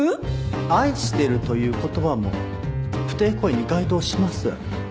「愛してる」という言葉も不貞行為に該当しません。